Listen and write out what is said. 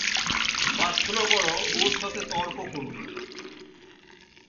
প্রার্থনা করো, ওর সাথে তর্ক করো না।